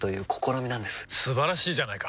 素晴らしいじゃないか！